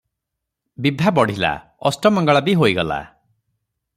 ବିଭା ବଢିଲା, ଅଷ୍ଟମଙ୍ଗଳା ବି ହୋଇଗଲା ।